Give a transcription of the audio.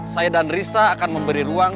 saya dan risa akan memberi ruang